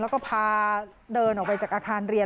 แล้วก็พาเดินออกไปจากอาคารเรียน